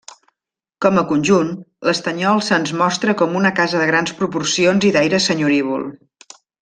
Com a conjunt, l'Estanyol se'ns mostra com una casa de grans proporcions i d'aire senyorívol.